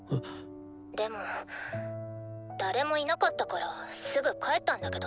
でも誰もいなかったからすぐ帰ったんだけどね。